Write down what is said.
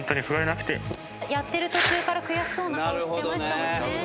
やってる途中から悔しそうな顔してましたもんね。